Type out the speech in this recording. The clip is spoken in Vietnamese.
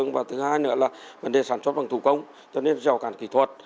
và thứ hai nữa là vấn đề sản xuất bằng thủ công cho nên rào cản kỹ thuật